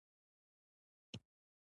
ژبني مهارتونه د زدهکوونکو بریا تضمینوي.